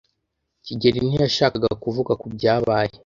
kigeli ntiyashakaga kuvuga kubyabaye.